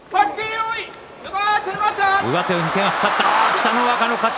北の若の勝ち。